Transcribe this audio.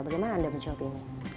bagaimana anda menjawab ini